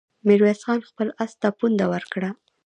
ميرويس خان خپل آس ته پونده ورکړه.